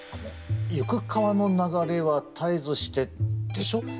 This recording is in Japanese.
「ゆく河の流れは絶えずして」でしょ？